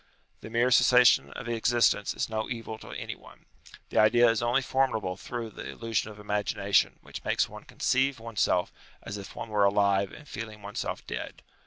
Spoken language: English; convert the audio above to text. The mere cessation of existence is no evil to any one: the idea is only formidable through the illusion of imagination which makes one conceive oneself as if one were alive and feeling oneself dead.